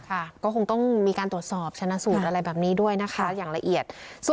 ค่ะก็คงต้องมีการตรวจสอบชนะสูตรอะไรแบบนี้ด้วยนะคะอย่างละเอียด